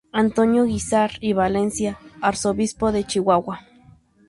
Antonio Guízar y Valencia, arzobispo de Chihuahua.